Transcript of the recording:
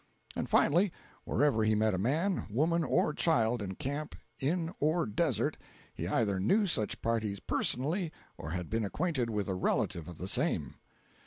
And finally, wherever he met a man, woman or child, in camp, inn or desert, he either knew such parties personally or had been acquainted with a relative of the same.